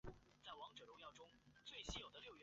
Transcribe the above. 赖恩镇区为美国堪萨斯州索姆奈县辖下的镇区。